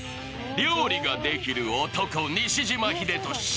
料理ができる男、西島秀俊。